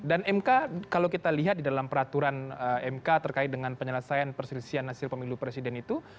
mk kalau kita lihat di dalam peraturan mk terkait dengan penyelesaian perselisihan hasil pemilu presiden itu